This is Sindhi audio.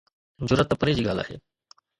جرئت ته پري جي ڳالهه آهي.